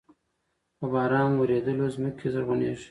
په باران ورېدلو زمکې زرغوني شي۔